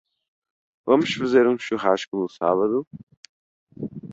Vamos fazer um churrasco no sábado?